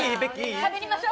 しゃべりましょう！